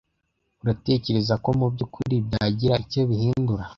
Uratekereza ko mubyukuri byagira icyo bihindura?